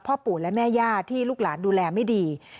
พ่อปู่และแม่ย่าที่ลูกหลานดูแลไม่ดี